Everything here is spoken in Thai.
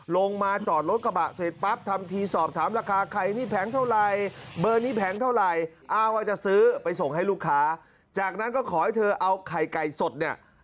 ลงมาจอดรถกระบะเสร็จปั๊บทำทีสอบถามราคาไข่นี่แผงเท่าไรเบอร์นี้แผงเท่าไหร่อ้างว่าจะซื้อไปส่งให้ลูกค้าจากนั้นก็ขอให้เธอเอาไข่ไก่สดเนี่ย